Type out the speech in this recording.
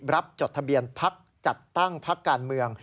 จดทะเบียนพักจัดตั้งพักการเมือง